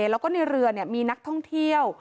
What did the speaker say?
แล้วก็ในเรือมีนักท่องเที่ยว